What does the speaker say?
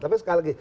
tapi sekali lagi